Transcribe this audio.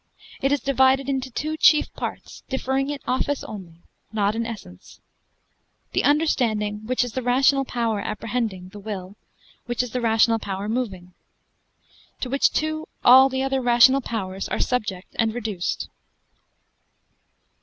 It is divided into two chief parts, differing in office only, not in essence. The understanding, which is the rational power apprehending; the will, which is the rational power moving: to which two, all the other rational powers are subject and reduced.